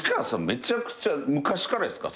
めちゃくちゃ昔からですか？